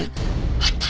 あった？